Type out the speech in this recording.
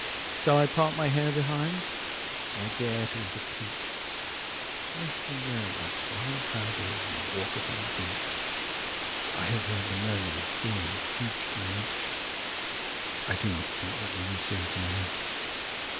122Shall I part my hair behind? Do I dare to eat a peach?123I shall wear white flannel trousers, and walk upon the beach.124I have heard the mermaids singing, each to each.125I do not think that they will sing to me.